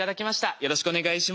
よろしくお願いします。